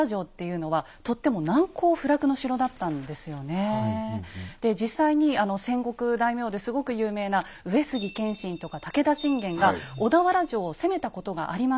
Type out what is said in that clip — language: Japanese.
で実はですねで実際に戦国大名ですごく有名な上杉謙信とか武田信玄が小田原城を攻めたことがありました。